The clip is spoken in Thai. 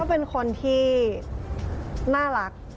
เป็นคนที่น่ารัก